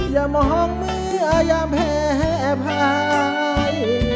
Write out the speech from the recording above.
อย่ามองเมื่อยามแพ้พาย